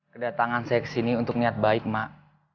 kedatangan saya kesini untuk niat baik mak